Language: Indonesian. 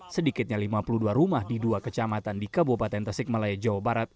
sedikitnya lima puluh dua rumah di dua kecamatan di kabupaten tasik malaya jawa barat